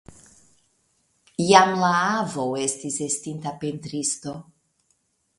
Jam la avo estis estinta pentristo.